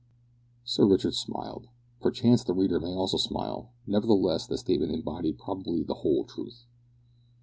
Sir Richard smiled. Perchance the reader may also smile; nevertheless, this statement embodied probably the whole truth.